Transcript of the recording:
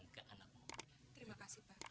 alhamdulillah terima kasih pak